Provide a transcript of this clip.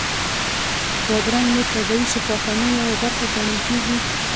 بادرنګ له طبیعي شفاخانو یوه برخه ګڼل کېږي.